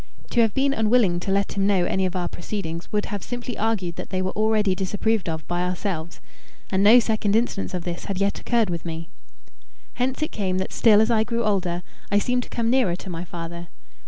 To have been unwilling to let him know any of our proceedings would have simply argued that they were already disapproved of by ourselves, and no second instance of this had yet occurred with me. Hence it came that still as I grew older I seemed to come nearer to my father.